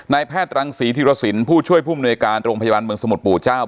นายแพทย์ตรงศรีทิรสินปทศพุ่งหน่วยการโรงพยาบาลเมืองสมธปุ่งเจ้าบอกว่า